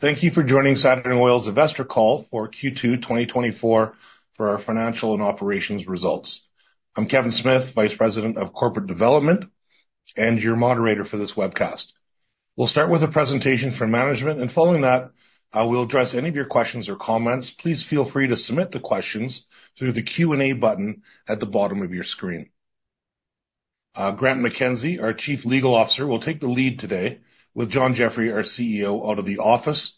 Hello, thank you for joining Saturn Oil's Investor Call for Q2 2024 for our financial and operations results. I'm Kevin Smith, Vice President of Corporate Development, and your moderator for this webcast. We'll start with a presentation from management, and following that, we'll address any of your questions or comments. Please feel free to submit the questions through the Q&A button at the bottom of your screen. Grant MacKenzie, our Chief Legal Officer, will take the lead today, with John Jeffrey, our CEO, out of the office.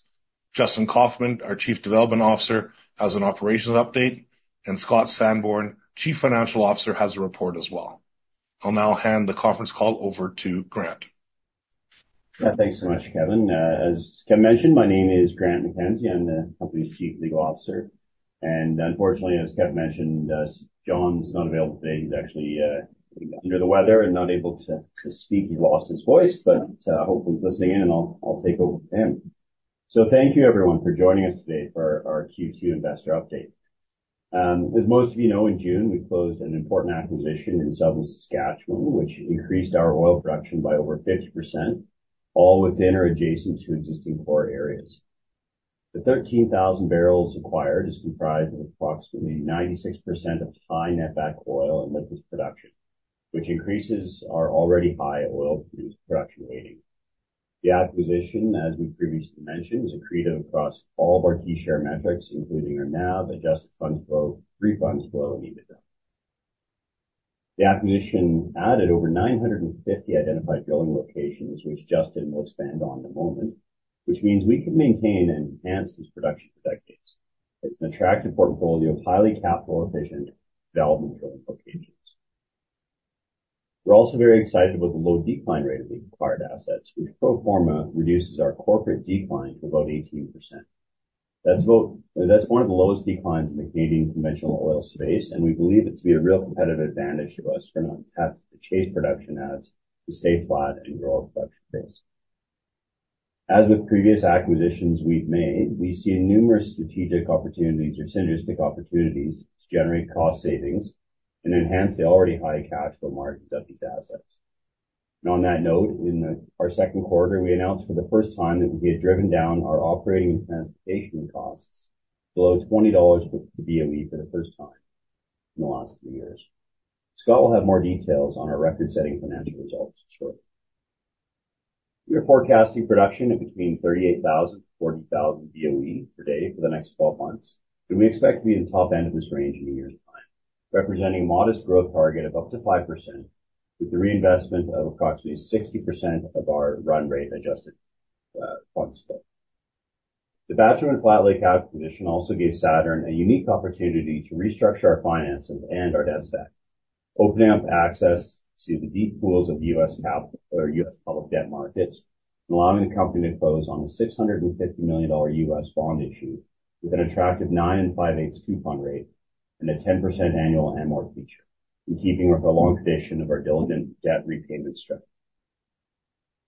Justin Kaufmann, our Chief Development Officer, has an operations update, and Scott Sanborn, Chief Financial Officer, has a report as well. I'll now hand the conference call over to Grant. Yeah, thanks so much, Kevin. As Kev mentioned, my name is Grant MacKenzie. I'm the company's Chief Legal Officer, and unfortunately, as Kev mentioned, John's not available today. He's actually under the weather and not able to speak. He lost his voice, but hopefully, he's listening in, and I'll take over for him. So thank you, everyone, for joining us today for our Q2 investor update. As most of you know, in June, we closed an important acquisition in southeast Saskatchewan, which increased our oil production by over 50%, all within or adjacent to existing core areas. The 13,000 barrels acquired is comprised of approximately 96% of high netback oil and liquids production, which increases our already high oil production rating. The acquisition, as we previously mentioned, is accretive across all of our key share metrics, including our NAV, adjusted funds flow, free funds flow, and EBITDA. The acquisition added over 950 identified drilling locations, which Justin will expand on in a moment, which means we can maintain and enhance this production for decades. It's an attractive portfolio of highly capital efficient development drilling locations. We're also very excited about the low decline rate of the acquired assets, which pro forma reduces our corporate decline to about 18%. That's one of the lowest declines in the Canadian conventional oil space, and we believe it to be a real competitive advantage to us for not have to chase production adds to stay flat and grow our production base. As with previous acquisitions we've made, we see numerous strategic opportunities or synergistic opportunities to generate cost savings and enhance the already high cash flow margins of these assets. And on that note, in our second quarter, we announced for the first time that we had driven down our operating and transportation costs below 20 dollars per BOE for the first time in the last three years. Scott will have more details on our record-setting financial results shortly. We are forecasting production of between 38,000 boe/d-40,000 boe/d for the next 12 months, and we expect to be in the top end of this range in a year's time, representing a modest growth target of up to 5%, with the reinvestment of approximately 60% of our run rate adjusted funds flow. The Battrum and Flat Lake acquisition also gave Saturn a unique opportunity to restructure our finances and our debt stack, opening up access to the deep pools of the U.S. capital or U.S. public debt markets, and allowing the company to close on a $650 million U.S. bond issue with an attractive 9.58% coupon rate and a 10% annual amortization feature, in keeping with the long tradition of our diligent debt repayment strength.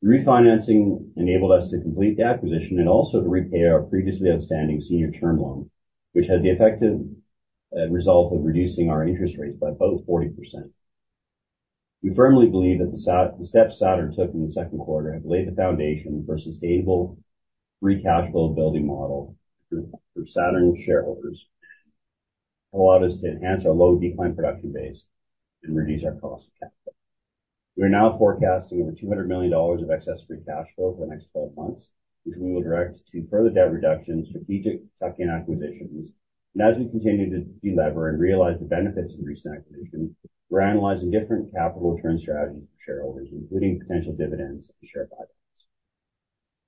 Refinancing enabled us to complete the acquisition and also to repay our previously outstanding senior term loan, which had the effective result of reducing our interest rates by about 40%. We firmly believe that the steps Saturn took in the second quarter have laid the foundation for a sustainable free cash flow building model for Saturn shareholders, allow us to enhance our low decline production base and reduce our cost of capital. We are now forecasting over 200 million dollars of excess free cash flow for the next 12 months, which we will direct to further debt reduction, strategic tuck-in acquisitions. As we continue to delever and realize the benefits of recent acquisitions, we're analyzing different capital return strategies for shareholders, including potential dividends and share buybacks.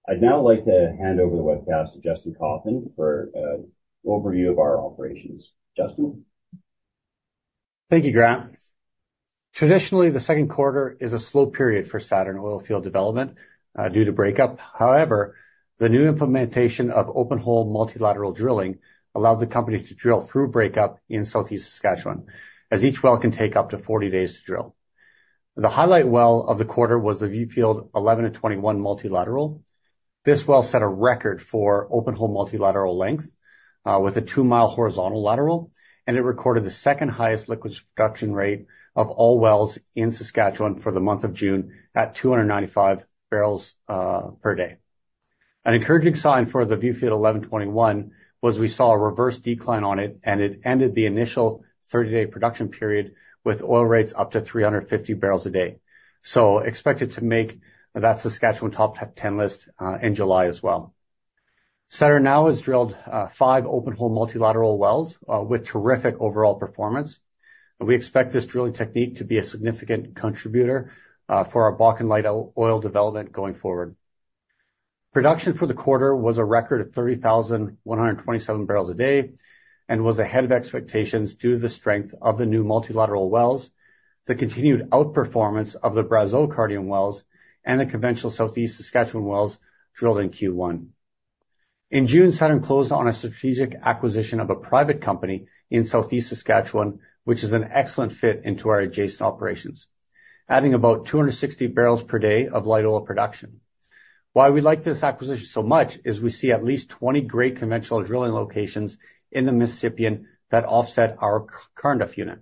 I'd now like to hand over the webcast to Justin Kaufmann for an overview of our operations. Justin? Thank you, Grant. Traditionally, the second quarter is a slow period for Saturn Oil field development due to breakup. However, the new implementation of open hole multilateral drilling allows the company to drill through breakup in southeast Saskatchewan, as each well can take up to 40 days to drill. The highlight well of the quarter was the Viewfield 11-21 multilateral. This well set a record for open hole multilateral length with a two-mile horizontal lateral, and it recorded the second highest liquids production rate of all wells in Saskatchewan for the month of June at 295 barrels per day. An encouraging sign for the Viewfield 11-21 was we saw a reverse decline on it, and it ended the initial 30-day production period with oil rates up to 350 barrels a day. Expected to make that Saskatchewan top 10 list in July as well. Saturn now has drilled five open hole multilateral wells with terrific overall performance, and we expect this drilling technique to be a significant contributor for our Bakken light oil development going forward. Production for the quarter was a record of 30,127 barrels a day and was ahead of expectations due to the strength of the new multilateral wells, the continued outperformance of the Brazeau Cardium wells, and the conventional southeast Saskatchewan wells drilled in Q1. In June, Saturn closed on a strategic acquisition of a private company in southeast Saskatchewan, which is an excellent fit into our adjacent operations, adding about 260 barrels per day of light oil production. Why we like this acquisition so much is we see at least 20 great conventional drilling locations in the Mississippian that offset our current unit.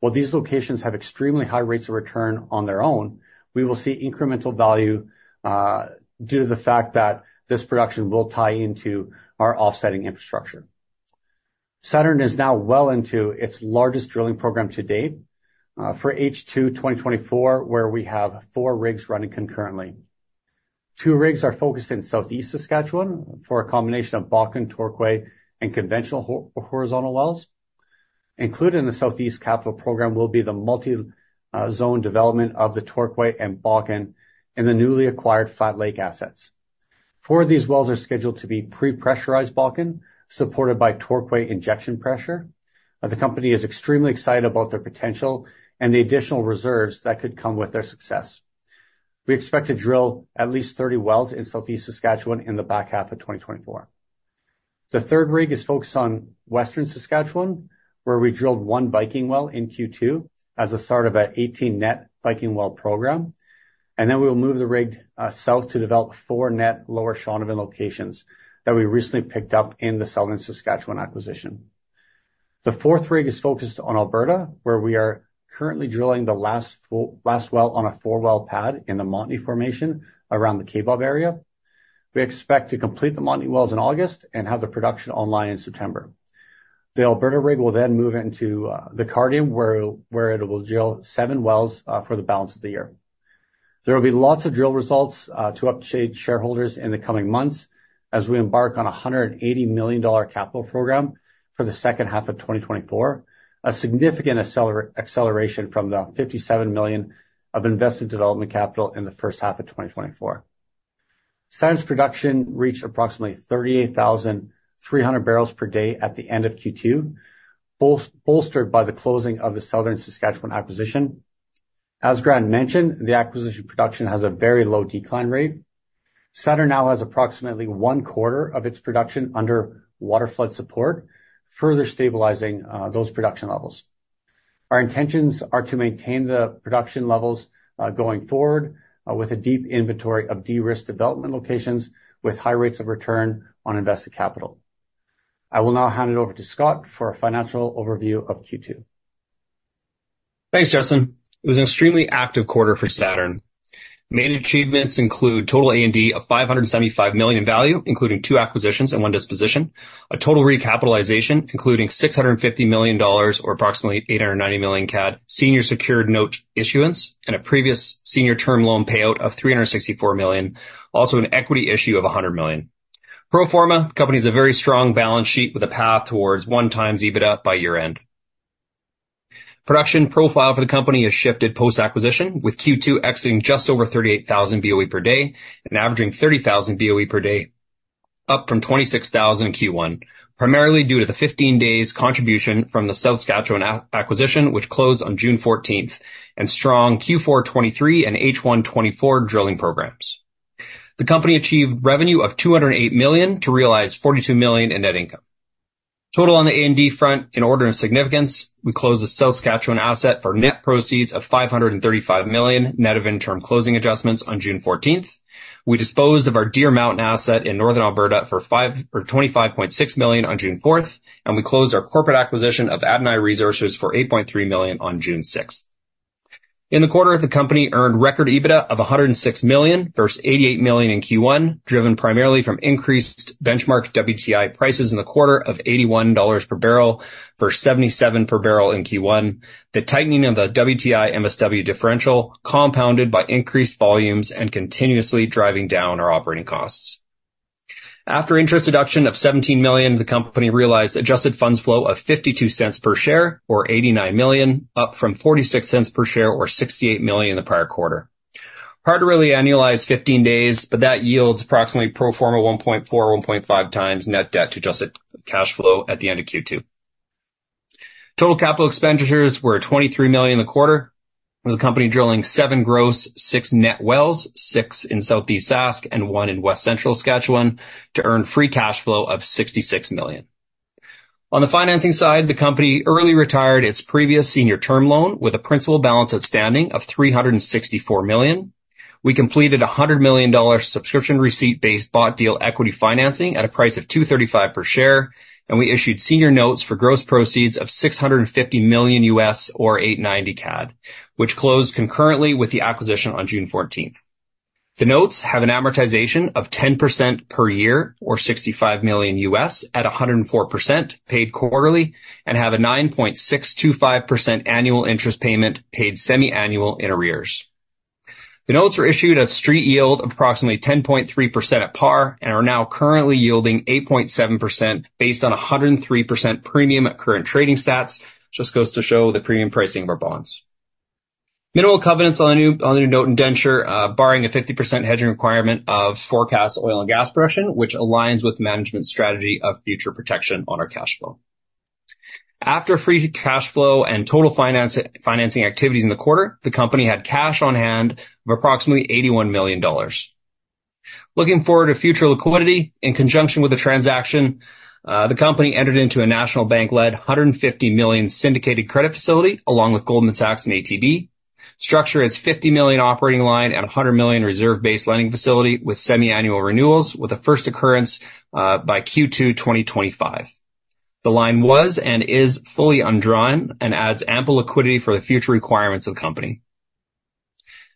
While these locations have extremely high rates of return on their own, we will see incremental value due to the fact that this production will tie into our offsetting infrastructure. Saturn is now well into its largest drilling program to date for H2 2024, where we have four rigs running concurrently. Two rigs are focused in southeast Saskatchewan for a combination of Bakken, Torquay, and conventional horizontal wells. Included in the southeast capital program will be the multi-zone development of the Torquay and Bakken in the newly acquired Flat Lake assets. Four of these wells are scheduled to be pre-pressurized Bakken, supported by Torquay injection pressure. The company is extremely excited about their potential and the additional reserves that could come with their success. We expect to drill at least 30 wells in southeast Saskatchewan in the back half of 2024. The third rig is focused on western Saskatchewan, where we drilled one Viking well in Q2 as a start of an 18-net Viking well program, and then we will move the rig south to develop four-net Lower Shaunavon locations that we recently picked up in the southern Saskatchewan acquisition. The fourth rig is focused on Alberta, where we are currently drilling the last well on a four-well pad in the Montney formation around the Kaybob area. We expect to complete the Montney wells in August and have the production online in September. The Alberta rig will then move into the Cardium, where it will drill seven wells for the balance of the year. There will be lots of drill results to update shareholders in the coming months as we embark on a 180 million dollar capital program for the second half of 2024. A significant acceleration from the 57 million of invested development capital in the first half of 2024. Saturn's production reached approximately 38,300 barrels per day at the end of Q2, bolstered by the closing of the southern Saskatchewan acquisition. As Grant mentioned, the acquisition production has a very low decline rate. Saturn now has approximately one quarter of its production under waterflood support, further stabilizing those production levels. Our intentions are to maintain the production levels, going forward, with a deep inventory of de-risked development locations with high rates of return on invested capital. I will now hand it over to Scott for a financial overview of Q2. Thanks, Justin. It was an extremely active quarter for Saturn. Main achievements include total A&D of 575 million in value, including two acquisitions and one disposition. A total recapitalization, including $650 million or approximately 890 million CAD senior secured note issuance, and a previous senior term loan payout of $364 million, also an equity issue of 100 million. Pro forma, company has a very strong balance sheet with a path towards 1x EBITDA by year-end. Production profile for the company has shifted post-acquisition, with Q2 exiting just over 38,000 boe/d and averaging 30,000 boe/d, up from 26,000 in Q1. Primarily due to the 15 days' contribution from the south Saskatchewan acquisition, which closed on June 14th, and strong Q4 2023 and H1 2024 drilling programs. The company achieved revenue of 208 million to realize 42 million in net income. Total on the A&D front, in order of significance, we closed the south Saskatchewan asset for net proceeds of 535 million, net of interim closing adjustments on June 14th. We disposed of our Deer Mountain asset in northern Alberta for 25.6 million on June 4th, and we closed our corporate acquisition of Adonai Resources for 8.3 million on June 6th. In the quarter, the company earned record EBITDA of 106 million versus 88 million in Q1, driven primarily from increased benchmark WTI prices in the quarter of $81 per barrel for $77 per barrel in Q1. The tightening of the WTI MSW differential compounded by increased volumes and continuously driving down our operating costs. After interest deduction of 17 million, the company realized adjusted funds flow of 0.52 per share, or 89 million, up from 0.46 per share or 68 million in the prior quarter. Hard to really annualize 15 days, but that yields approximately pro forma 1.4x-1.5x net debt to adjusted cash flow at the end of Q2. Total capital expenditures were 23 million in the quarter, with the company drilling seven gross, six net wells, six in southeast Sask, and one in west central Saskatchewan to earn free cash flow of CAD 66 million. On the financing side, the company early retired its previous senior term loan with a principal balance outstanding of CAD 364 million. We completed a CAD 100 million subscription receipt-based bought deal equity financing at a price of CAD 2.35 per share, and we issued senior notes for gross proceeds of $650 million or 890 million CAD, which closed concurrently with the acquisition on June 14th. The notes have an amortization of 10% per year, or $65 million at 104%, paid quarterly, and have a 9.625% annual interest payment, paid semiannual in arrears. The notes are issued a street yield of approximately 10.3% at par and are now currently yielding 8.7% based on a 103% premium at current trading stats. Just goes to show the premium pricing of our bonds. Minimal covenants on the new note indenture, barring a 50% hedging requirement of forecast oil and gas production, which aligns with management's strategy of future protection on our cash flow. After free cash flow and total financing activities in the quarter, the company had cash on hand of approximately 81 million dollars. Looking forward to future liquidity, in conjunction with the transaction, the company entered into a National Bank-led 150 million syndicated credit facility, along with Goldman Sachs and ATB. Structure is 50 million operating line and a 100 million reserve-based lending facility with semiannual renewals, with a first occurrence by Q2 2025. The line was and is fully undrawn and adds ample liquidity for the future requirements of the company.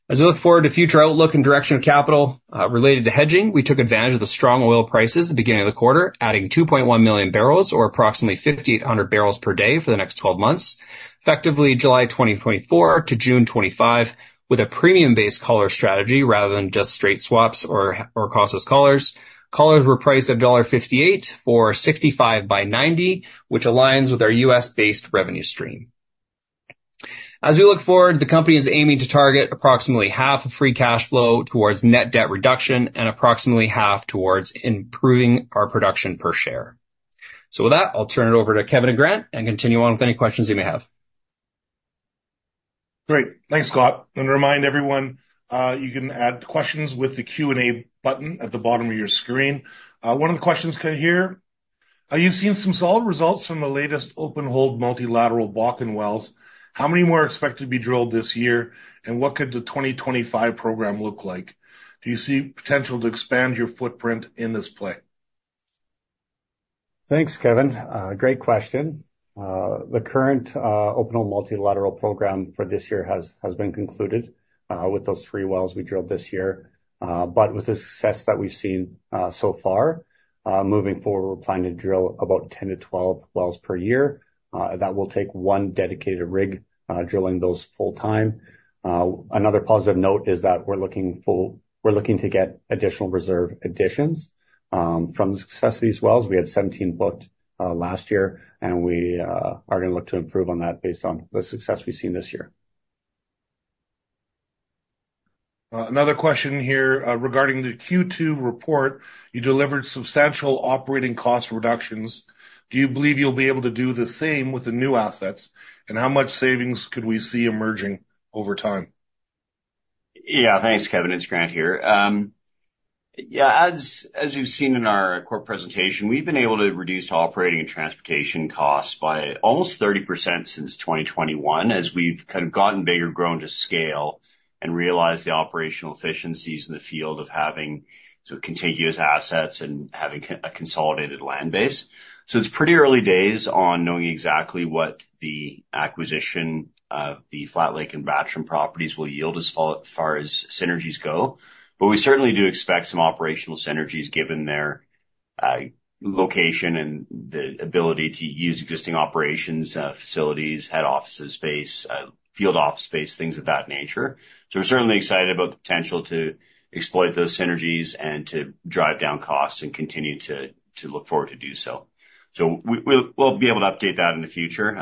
As we look forward to future outlook and direction of capital related to hedging, we took advantage of the strong oil prices at the beginning of the quarter, adding 2.1 million barrels or approximately 5,800 barrels per day for the next 12 months, effectively July 2024 to June 2025, with a premium-based collar strategy rather than just straight swaps or costless collars. Collars were priced at $1.58 or $65-$90, which aligns with our US-based revenue stream. As we look forward, the company is aiming to target approximately half of free cash flow towards net debt reduction and approximately half towards improving our production per share. With that, I'll turn it over to Kevin and Grant, and continue on with any questions you may have. Great. Thanks, Scott. Let me remind everyone, you can add questions with the Q&A button at the bottom of your screen. One of the questions kind of here, are you seeing some solid results from the latest open hole multilateral Bakken wells? How many more are expected to be drilled this year, and what could the 2025 program look like? Do you see potential to expand your footprint in this play? Thanks, Kevin. Great question. The current open hole multilateral program for this year has been concluded with those three wells we drilled this year. But with the success that we've seen so far, moving forward, we're planning to drill about 10 wells-12 wells per year. That will take one dedicated rig drilling those full-time. Another positive note is that we're looking to get additional reserve additions from the success of these wells. We had 17 booked last year, and we are gonna look to improve on that based on the success we've seen this year. Another question here, regarding the Q2 report. You delivered substantial operating cost reductions. Do you believe you'll be able to do the same with the new assets? And how much savings could we see emerging over time? Yeah. Thanks, Kevin. It's Grant here. Yeah, as you've seen in our core presentation, we've been able to reduce operating and transportation costs by almost 30% since 2021, as we've kind of gotten bigger, grown to scale, and realized the operational efficiencies in the field of having so contiguous assets and having a consolidated land base. So it's pretty early days on knowing exactly what the acquisition of the Flat Lake and Battrum properties will yield as far as synergies go, but we certainly do expect some operational synergies, given their location and the ability to use existing operations, facilities, head office space, field office space, things of that nature. So we're certainly excited about the potential to exploit those synergies and to drive down costs and continue to look forward to do so. So we'll be able to update that in the future.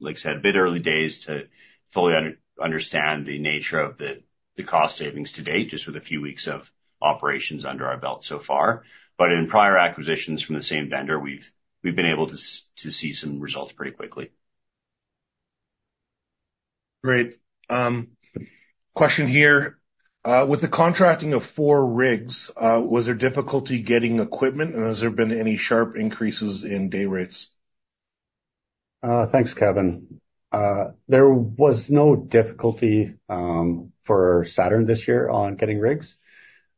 Like I said, a bit early days to fully understand the nature of the cost savings to date, just with a few weeks of operations under our belt so far. But in prior acquisitions from the same vendor, we've been able to see some results pretty quickly. Great. Question here. With the contracting of four rigs, was there difficulty getting equipment, and has there been any sharp increases in day rates? Thanks, Kevin. There was no difficulty for Saturn this year on getting rigs.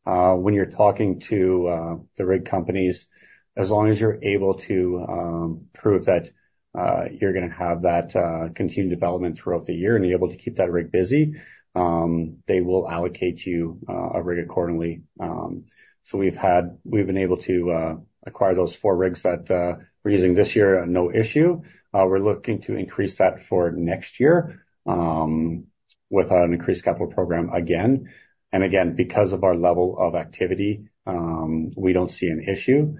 When you're talking to the rig companies, as long as you're able to prove that you're gonna have that continued development throughout the year and be able to keep that rig busy, they will allocate you a rig accordingly. So we've been able to acquire those four rigs that we're using this year, no issue. We're looking to increase that for next year with an increased capital program again. And again, because of our level of activity, we don't see an issue.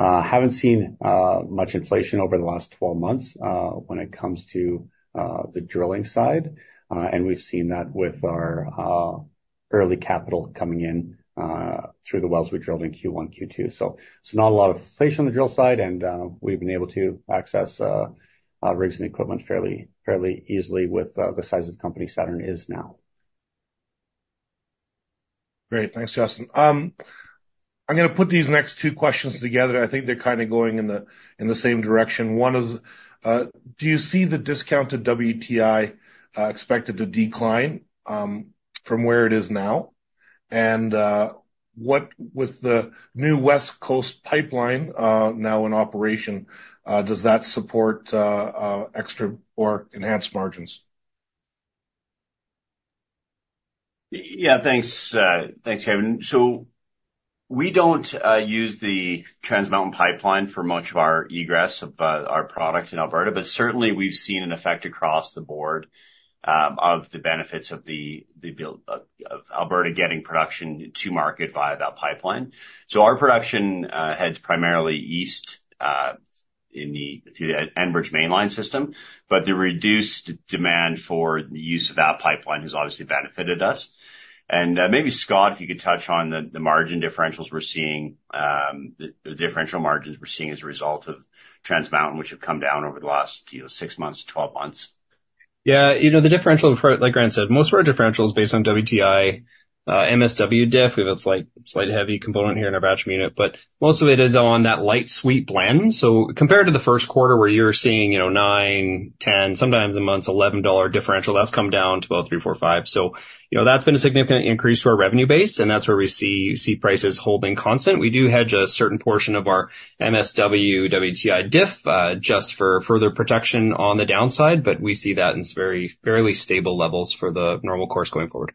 Haven't seen much inflation over the last 12 months, when it comes to the drilling side, and we've seen that with our early capital coming in through the wells we drilled in Q1, Q2. So not a lot of inflation on the drill side, and we've been able to access rigs and equipment fairly easily with the size of the company Saturn is now. Great. Thanks, Justin. I'm gonna put these next two questions together. I think they're kind of going in the, in the same direction. One is, do you see the discounted WTI expected to decline from where it is now? And, what with the new West Coast pipeline now in operation, does that support extra or enhanced margins? Yeah, thanks, thanks, Kevin. So we don't use the Trans Mountain Pipeline for much of our egress of our product in Alberta, but certainly we've seen an effect across the board of the benefits of the build-out of Alberta getting production to market via that pipeline. So our production heads primarily east through the Enbridge Mainline system, but the reduced demand for the use of that pipeline has obviously benefited us. And maybe, Scott, if you could touch on the margin differentials we're seeing, the differential margins we're seeing as a result of Trans Mountain, which have come down over the last, you know, six months, 12 months. Yeah, you know, the differential, for, like Grant said, most of our differential is based on WTI MSW diff. We have a slight, slight heavy component here in our batch unit, but most of it is on that light sweet blend. So compared to the first quarter, where you're seeing, you know, 9, 10. Sometimes a month’s 11 dollar differential, that's come down to about 3, 4, 5. So, you know. That's been a significant increase to our revenue base, and that's where we see, see prices holding constant. We do hedge a certain portion of our MSW WTI diff, just for further protection on the downside, but we see that in very fairly stable levels for the normal course going forward.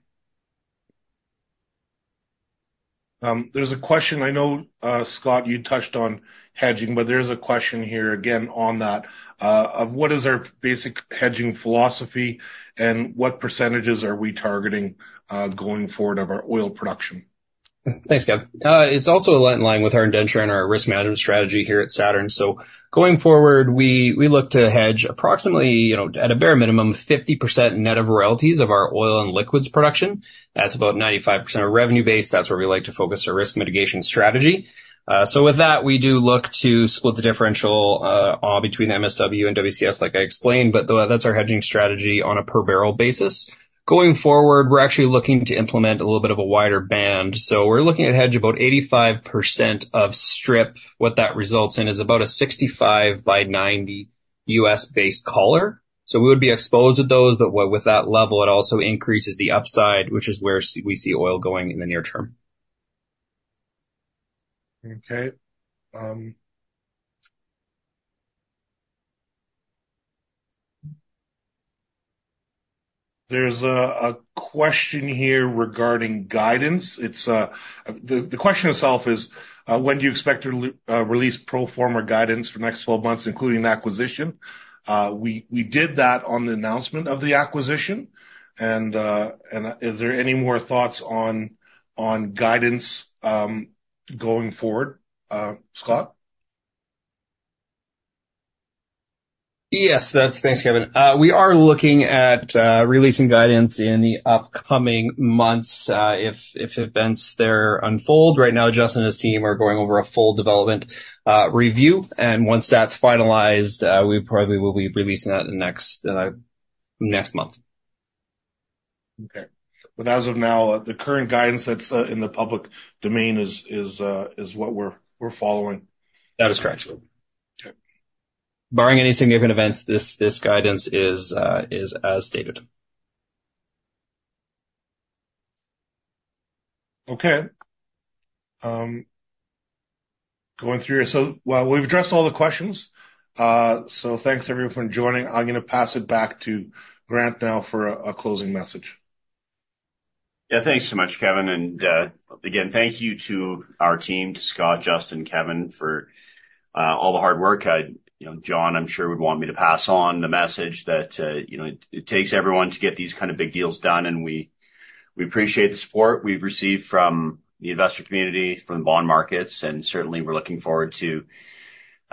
There's a question I know, Scott, you touched on hedging, but there's a question here again on that, of what is our basic hedging philosophy, and what percentages are we targeting, going forward of our oil production? Thanks, Kevin. It's also in line with our indenture and our risk management strategy here at Saturn. So going forward, we look to hedge approximately, you know, at a bare minimum, 50% net of royalties of our oil and liquids production. That's about 95% of revenue base. That's where we like to focus our risk mitigation strategy. So with that, we do look to split the differential between MSW and WCS, like I explained, but that's our hedging strategy on a per barrel basis. Going forward, we're actually looking to implement a little bit of a wider band. So we're looking to hedge about 85% of strip. What that results in is about a $65-$90 base collar. We would be exposed to those, but with that level, it also increases the upside, which is where we see oil going in the near term. Okay. There's a question here regarding guidance. It's the question itself is when do you expect to release pro forma guidance for the next 12 months, including the acquisition? We did that on the announcement of the acquisition, and is there any more thoughts on guidance going forward, Scott? Yes, that's. Thanks, Kevin. We are looking at releasing guidance in the upcoming months, if events there unfold. Right now, Justin and his team are going over a full development review, and once that's finalized, we probably will be releasing that in the next month. Okay. But as of now, the current guidance that's in the public domain is what we're following. That is correct. Okay. Barring any significant events, this guidance is as stated. Okay. Going through here. So, well, we've addressed all the questions. So thanks, everyone, for joining. I'm gonna pass it back to Grant now for a closing message. Yeah. Thanks so much Kevin, and, again, thank you to our team, to Scott, Justin, Kevin, for all the hard work. You know, John, I'm sure, would want me to pass on the message that, you know, it takes everyone to get these kind of big deals done. And we appreciate the support we've received from the investor community, from the bond markets, and certainly we're looking forward to,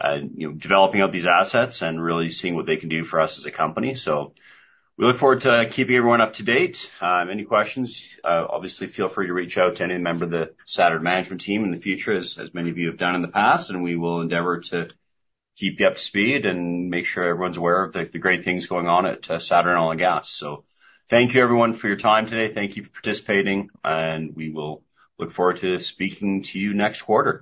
you know, developing out these assets and really seeing what they can do for us as a company. So we look forward to keeping everyone up to date. Any questions, obviously, feel free to reach out to any member of the Saturn management team in the future, as many of you have done in the past, and we will endeavor to keep you up to speed and make sure everyone's aware of the great things going on at Saturn Oil & Gas. So thank you, everyone, for your time today. Thank you for participating, and we will look forward to speaking to you next quarter.